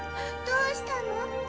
どうしたの？